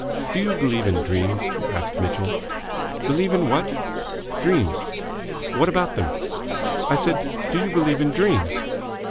"Do you believe in dreams?" asked Mitchell. "Believe in what?" "Dreams." "What about them?" "I said, 'Do you believe in dreams?'